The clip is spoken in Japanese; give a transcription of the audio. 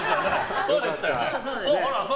そうでしたよね。